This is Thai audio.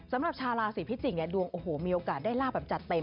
สำหรับชาวราศีพิจิกดวงมีโอกาสได้ราบจัดเต็ม